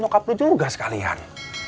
nyokap lu juga sekalian